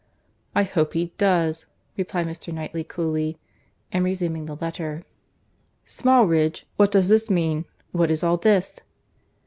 "I hope he does," replied Mr. Knightley coolly, and resuming the letter. "'Smallridge!'—What does this mean? What is all this?"